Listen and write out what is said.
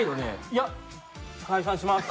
いや解散します。